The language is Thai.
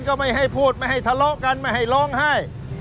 ก็ไม่ให้พูดไม่ให้ทะเลาะกันไม่ให้ร้องไห้